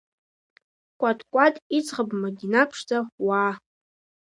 Кәаткәат иӡӷаб Мадина ԥшӡа, уаа!